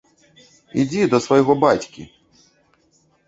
Ідзі да свайго бацькі!